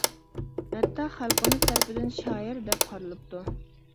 ھەتتا، خەلقىمىز تەرىپىدىن شائىر دەپ قارىلىپتۇ.